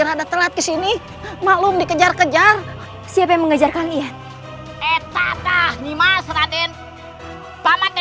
rada telat kesini maklum dikejar kejar siapa yang mengejar kalian eh tata nih mas raden pamante